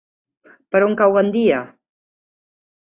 Per on cau Gandia?